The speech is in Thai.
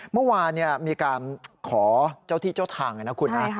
เมื่อวานมีการขอเจ้าที่เจ้าทางเลยนะคุณนะ